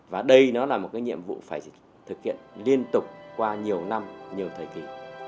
và đây nó là một cái nhiệm vụ phải thực hiện liên tục qua nhiều năm nhiều thời kỳ